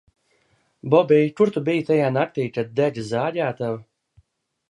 Bobij, kur tu biji tajā naktī, kad dega zāģētava?